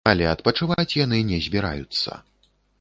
Але адпачываць яны не збіраюцца.